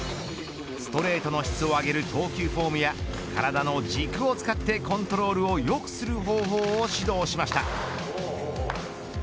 ストレートの質を上げる投球フォームや体の軸を使ってコントロールをよくする方法を指導しました。